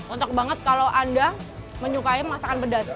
untuk banget kalau anda menyukai masakan pedas